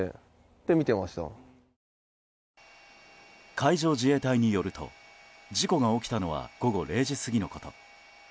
海上自衛隊によると事故が起きたのは午後０時過ぎのこと。